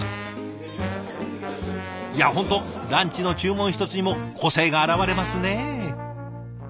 いや本当ランチの注文一つにも個性が表れますね！